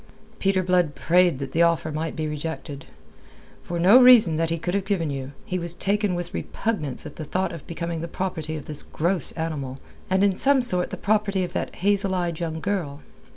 Peter Blood prayed that the offer might be rejected. For no reason that he could have given you, he was taken with repugnance at the thought of becoming the property of this gross animal, and in some sort the property of that hazel eyed young girl.